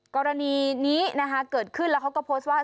กรณีนี้เกิดขึ้นแล้วเขาก็โพสต์ว่า